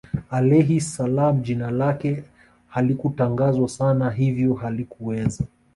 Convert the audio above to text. Alayhis Salaam jina lake halikutangazwa sana hivyo halikuweza